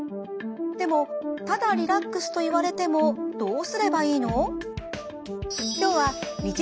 でもただリラックスと言われてもどうすればいいの？